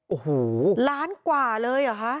โอ้โหล้านกว่าเลยเหรอคะ